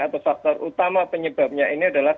atau faktor utama penyebabnya ini adalah